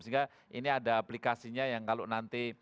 sehingga ini ada aplikasinya yang kalau nanti